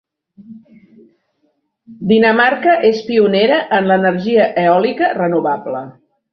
Dinamarca és pionera en l'energia eòlica renovable.